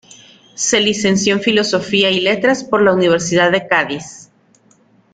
Se licenció en Filosofía y Letras por la Universidad de Cádiz.